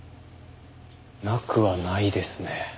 なくはないですね。